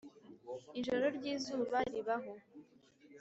ijoro ryizuba ribaho